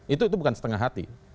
itu bukan setengah hati